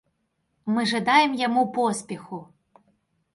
Мы жадаем яму поспеху.